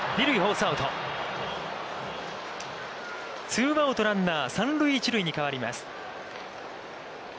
ツーアウト、ランナー三塁一塁に変わります。